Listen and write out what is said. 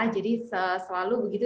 jadi selalu begitu